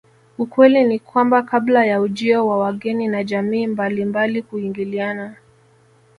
Ukweli ni kwamba kabla ya ujio wa wageni na jamii mbalilnmbali kuingiliana